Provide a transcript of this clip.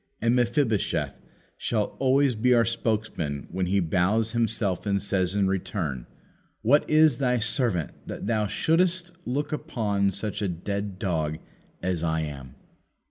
And Mephibosheth shall always be our spokesman when he bows himself and says in return: "What is thy servant, that thou shouldst look upon such a dead dog as I am?"